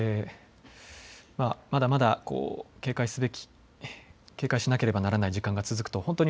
まだまだ警戒しなければならない時間が続くと。